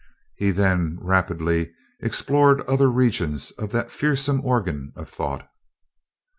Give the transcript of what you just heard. He then rapidly explored other regions of that fearsome organ of thought.